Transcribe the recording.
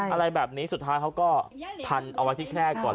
อะไรแบบนี้สุดท้ายเขาก็พันเอาไว้ที่แคร่ก่อน